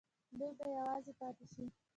دی به یوازې پاتې شي.